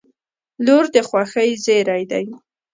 • لور د خوښۍ زېری دی.